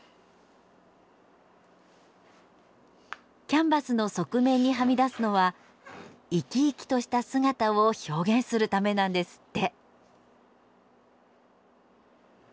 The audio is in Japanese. キャンバスの側面にはみ出すのは生き生きとした姿を表現するためなんですって。